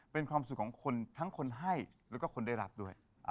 เป็นความสุขของคนทั้งคนให้แล้วก็คนได้รับด้วย